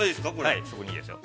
◆はい、そこに、いいですよ。